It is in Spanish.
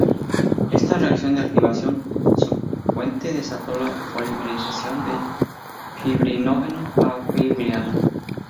Esta reacción de activación subsecuentemente desata la polimerización del fibrinógeno a fibrina.